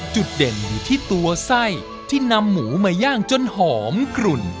จุดเด่นอยู่ที่ตัวไส้ที่นำหมูมาย่างจนหอมกลุ่น